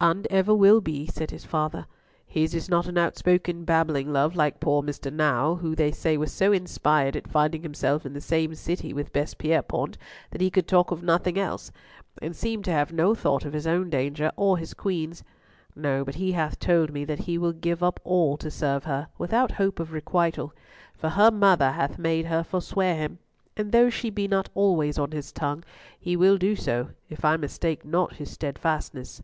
"And ever will be," said his father. "His is not an outspoken babbling love like poor Master Nau, who they say was so inspired at finding himself in the same city with Bess Pierrepoint that he could talk of nothing else, and seemed to have no thought of his own danger or his Queen's. No, but he hath told me that he will give up all to serve her, without hope of requital; for her mother hath made her forswear him, and though she be not always on his tongue, he will do so, if I mistake not his steadfastness."